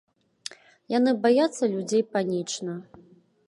Яны баяцца людзей панічна.